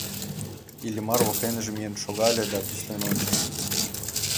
Иллимар воктекыже миен шогале да тӱслен ончыш.